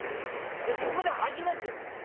でそこで初めてですよ